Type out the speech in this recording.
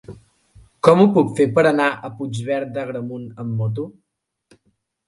Com ho puc fer per anar a Puigverd d'Agramunt amb moto?